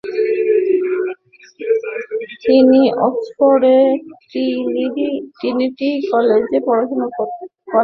তিনি অক্সফোর্ডের ট্রিনিটি কলেজে পড়াশোনা করেন।